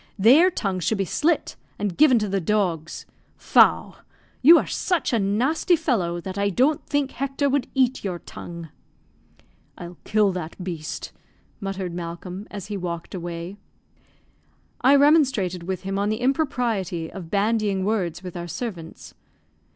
"Their tongues should be slit, and given to the dogs. Faugh! You are such a nasty fellow that I don't think Hector would eat your tongue." "I'll kill that beast," muttered Malcolm, as he walked away. I remonstrated with him on the impropriety of bandying words with our servants.